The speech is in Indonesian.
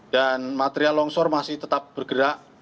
dan material longsor masih tetap bergerak